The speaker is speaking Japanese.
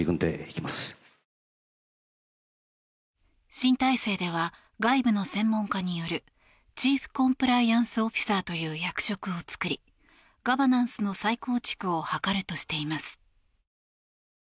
新体制では外部の専門家によるチーフ・コンプライアンス・オフィサーという役職を作りガバナンスの再構築を図るとしています。